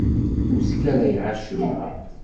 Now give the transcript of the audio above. Ur sskarayeɣ acemma.